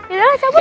yaudah lah cabut